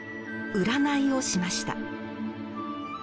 占いをしました。